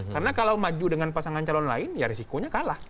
karena kalau maju dengan pasangan calon lain ya risikonya kalah